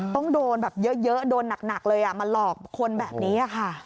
ต้องโดนแบบเยอะโดนหนักเลยมาหลอกคนแบบนี้ค่ะ